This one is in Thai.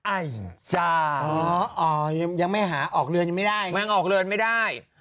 อัยจารย์อ๋อยังไม่หาออกเรือนยังไม่ได้แม่งออกเรือนไม่ได้